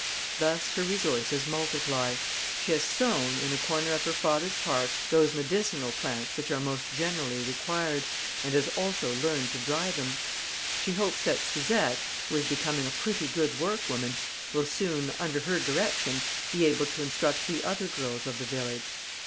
Thus her resources multiply. She has sown, in a corner of her father's park, those medicinal plants which are most generally required, and has also learned to dry them. She hopes that Suzette, who is becoming a pretty good workwoman, will soon, under her direction, be able to instruct the other girls of the village.